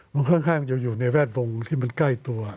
มันค่อนข้างจะอยู่ในแวดวงที่มันใกล้ตัว